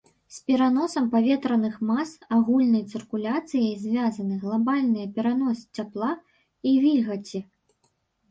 З пераносам паветраных мас агульнай цыркуляцыяй звязаны глабальны перанос цяпла і вільгаці.